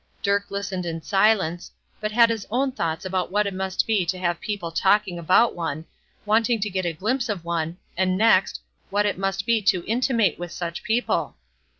Dirk listened in silence, but had his own thoughts about what it must be to have people talking about one, wanting to get a glimpse of one, and next, what it must be to be intimate with such people.